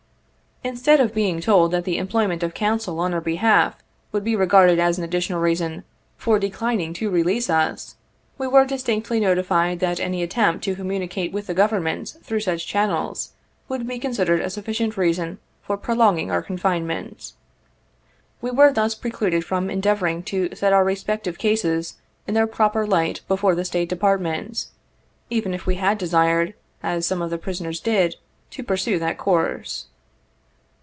Instead of being told that the em ployment of counsel on our behalf, would be regarded as an additional reason "for declining to release" us, we were distinctly notified that any attempt to communicate with the Government through such channels, would be considered a sufficient reason for prolonging our confinement. We were thus precluded from endeavoring to set our respective cases in their proper light before the State Department, even if we had desired, as some of the prisoners did, to pursue that course.